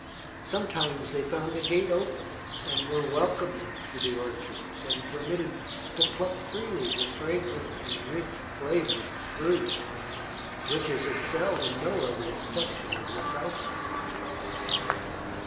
Sometimes they found a gate open, and were welcomed to the orchards and permitted to pluck freely the fragrant and rich flavored fruit, which is excelled in no other section of the south country.